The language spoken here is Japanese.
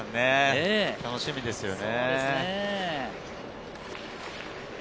楽しみですよね。